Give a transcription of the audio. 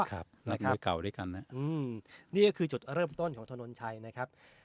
คือเก่าด้วยกันนะนี่ก็คือจุดเริ่มต้นของถนนชัยนะครับ